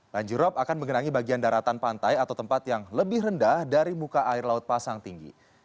banjir rop akan mengenangi bagian daratan pantai atau tempat yang lebih rendah dari muka air laut pasang tinggi